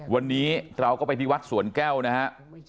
วันนี้เราก็ไปที่วัดสวนแก้วนะฮะ